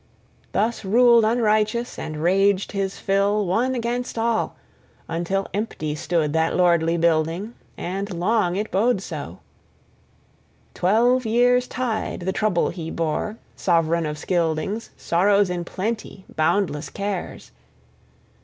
Thus ruled unrighteous and raged his fill one against all; until empty stood that lordly building, and long it bode so. Twelve years' tide the trouble he bore, sovran of Scyldings, sorrows in plenty, boundless cares.